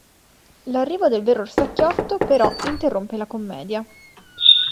L'arrivo del vero orsacchiotto, però, interrompe la commedia.